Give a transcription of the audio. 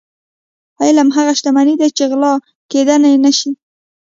علم هغه شتمني ده چې غلا کیدی نشي.